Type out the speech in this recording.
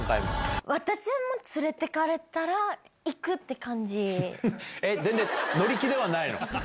私は連れていかれたら行くっ全然、乗り気ではないの？